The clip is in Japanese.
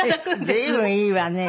随分いいわね。